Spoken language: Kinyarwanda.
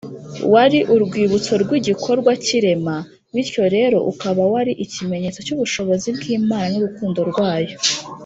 wari urwibutso rw’igikorwa cy’irema, bityo rero ukaba wari ikimenyetso cy’ubushobozi bw’imana n’urukundo rwayo